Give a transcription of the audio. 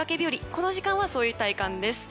この時間はそういう体感です。